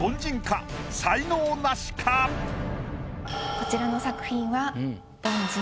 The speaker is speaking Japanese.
こちらの作品は。